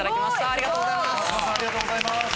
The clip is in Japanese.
ありがとうございます。